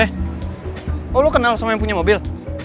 eh aku lu kenal sama yang punya mobil